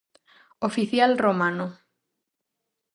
Oficial romano.